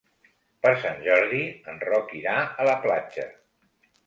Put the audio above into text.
Per Sant Jordi en Roc irà a la platja.